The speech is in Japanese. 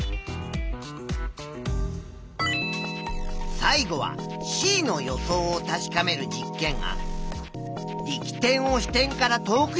最後はＣの予想を確かめる実験案。